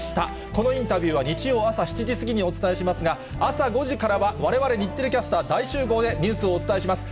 このインタビューは、日曜朝７時過ぎにお伝えしますが、朝５時からは、われわれ日テレキャスター大集合で、ニュースをお伝えします。